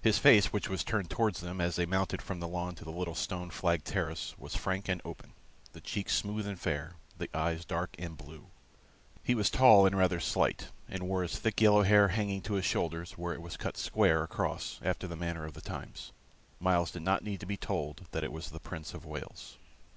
His face, which was turned towards them as they mounted from the lawn to the little stone flagged terrace, was frank and open; the cheeks smooth and fair; the eyes dark and blue. He was tall and rather slight, and wore his thick yellow hair hanging to his shoulders, where it was cut square across, after the manner of the times. Myles did not need to be told that it was the Prince of Wales.